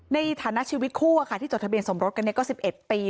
ในฐานะชีวิตคู่ที่จดทะเบียนสมรสกันก็๑๑ปี